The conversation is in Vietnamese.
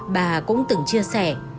bà cũng từng chia sẻ